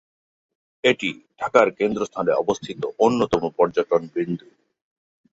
এটি ঢাকার কেন্দ্রস্থলে অবস্থিত অন্যতম পর্যটন বিন্দু।